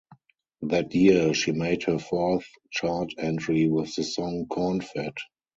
That year, she made her fourth chart entry with the song Corn Fed.